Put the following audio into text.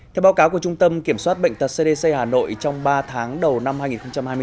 theo báo cáo của trung tâm kiểm soát bệnh tật cdc hà nội trong ba tháng đầu năm hai nghìn hai mươi bốn